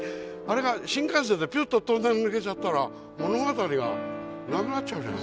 あれが新幹線でピュッとトンネル抜けちゃったら物語がなくなっちゃうじゃない。